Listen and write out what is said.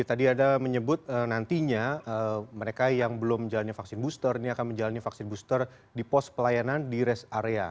tadi ada menyebut nantinya mereka yang belum menjalani vaksin booster ini akan menjalani vaksin booster di pos pelayanan di rest area